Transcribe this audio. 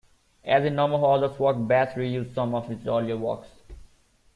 As in a number of other works, Bach reused some of his earlier works.